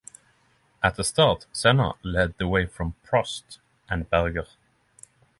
At the start, Senna led the way from Prost and Berger.